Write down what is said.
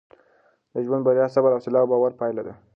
د ژوند بریا د صبر، حوصله او باور پایله ده.